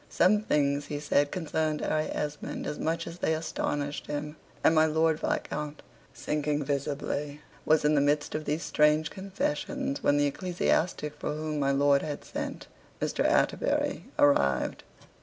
Some things he said concerned Harry Esmond as much as they astonished him. And my Lord Viscount, sinking visibly, was in the midst of these strange confessions, when the ecclesiastic for whom my lord had sent, Mr. Atterbury, arrived.